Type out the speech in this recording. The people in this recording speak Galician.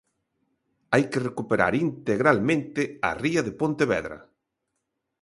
Hai que recuperar integralmente a ría de Pontevedra.